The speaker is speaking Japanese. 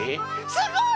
すごい！